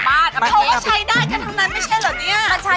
เขาก็ใช้ได้กันทั้งนั้นไม่ใช่เหรอเนี่ย